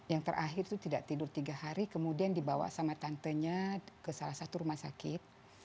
yang terakhir itu tidak tidur tiga hari kemudian dibawa sama tantenya ke salah satu rumah sakit